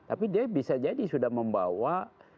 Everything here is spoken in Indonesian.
tapi dia bisa jadi sudah membawa